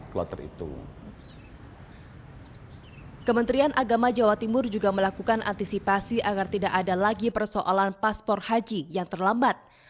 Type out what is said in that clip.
kementerian agama jawa timur juga melakukan antisipasi agar tidak ada lagi persoalan paspor haji yang terlambat